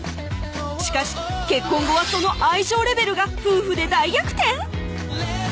しかし結婚後はその愛情レベルが夫婦で大逆転？